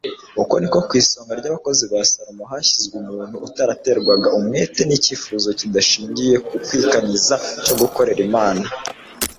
uko ni ko ku isonga ry'abakozi ba salomo hashyizwe umuntu utaraterwaga umwete n'icyifuzo kidashingiye ku kwikanyiza cyo gukorera imana